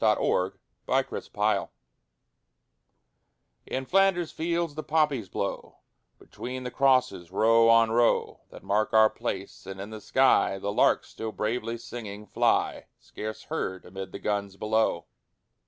L.} IN FLANDERS FIELDS In Flanders fields the poppies grow Between the crosses, row on row That mark our place: and in the sky The larks still bravely singing, fly Scarce heard amid the guns below.